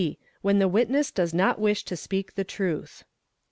When the witness does not wish to speak the truth.